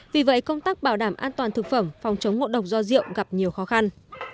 vì vậy công tác bảo đảm an toàn thực phẩm phòng chống ngộ độc do rượu gặp nhiều khó khăn